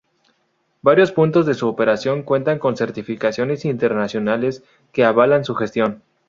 Varios puntos de su operación cuentan con certificaciones internacionales que avalan su gestión.